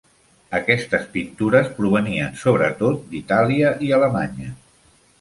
Aquestes pintures provenien sobretot d'Itàlia i Alemanya.